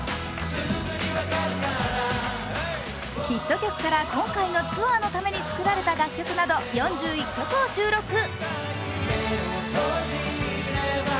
ヒット曲から今回のツアーのために作られた楽曲など４１曲を収録。